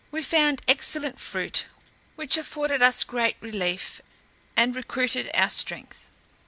We found excellent fruit, which afforded us great relief, and recruited our strength.